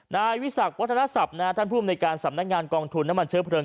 นายวิสักวัฒนศัพท์ท่านภูมิในการสำนักงานกองทุนน้ำมันเชื้อเพลิง